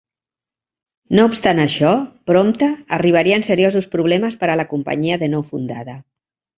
No obstant això, prompte arribarien seriosos problemes per a la companyia de nou fundada.